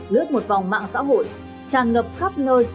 lướt một vòng mạng xã hội tràn ngập khắp nơi